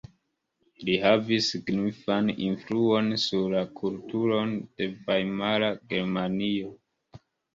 Li havis signifan influon sur la kulturon de Vajmara Germanio.